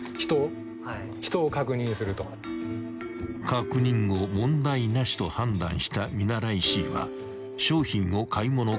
［確認後問題なしと判断した見習いＣは商品を買い物かごへ］